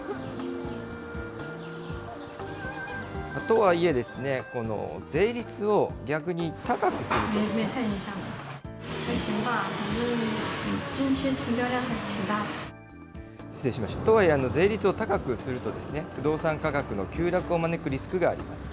とはいえ、税率を逆に高くすると。とはいえ、税率を高くすると、不動産価格の急落を招くリスクがあります。